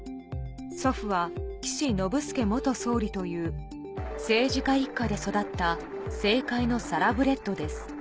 祖父は岸信介元総理という政治家一家で育った政界のサラブレッドです。